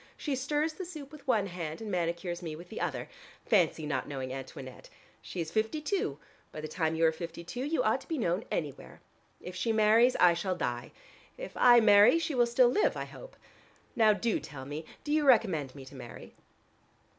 She stirs the soup with one hand and manicures me with the other. Fancy not knowing Antoinette! She is fifty two: by the time you are fifty two you ought to be known anywhere. If she marries I shall die: if I marry, she will still live I hope. Now do tell me: do you recommend me to marry?"